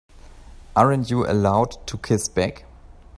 Aren't you allowed to kiss back?